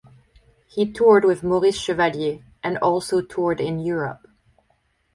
He toured with Maurice Chevalier and also toured in Europe.